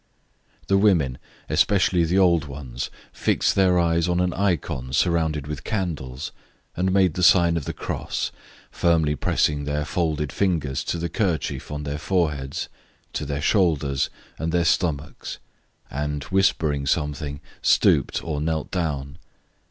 The women, especially the old ones, fixed their eyes on an icon surrounded with candies and made the sign of the cross, firmly pressing their folded fingers to the kerchief on their foreheads, to their shoulders, and their stomachs, and, whispering something, stooped or knelt down.